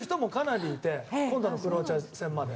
連泊する人もかなりいて今度のクロアチア戦まで。